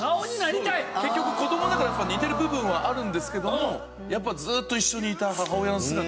結局子供だから似てる部分はあるんですけどもやっぱずーっと一緒にいた母親の姿。